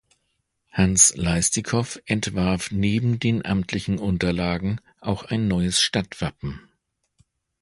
Hans Leistikow entwarf neben den amtlichen Unterlagen auch ein neues Stadtwappen.